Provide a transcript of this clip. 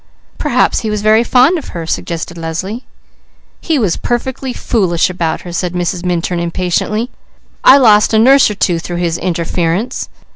"Perhaps he was very fond of her," suggested Leslie. "He was perfectly foolish about her," said Mrs. Minturn impatiently. "I lost a nurse or two through his interference.